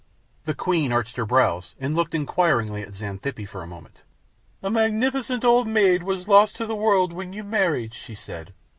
The Queen arched her brows and looked inquiringly at Xanthippe for a moment. "A magnificent old maid was lost to the world when you married," she said.